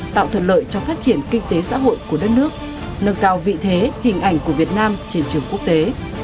tạo thuận lợi cho phát triển kinh tế xã hội của đất nước nâng cao vị thế hình ảnh của việt nam trên trường quốc tế